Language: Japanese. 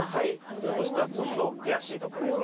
黒としてはちょっと悔しいところです。